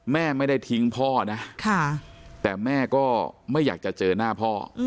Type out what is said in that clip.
แม่ไม่ได้ทิ้งพ่อนะแต่แม่ก็ไม่อยากจะเจอหน้าพ่อ